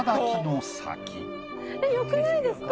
えっよくないですか？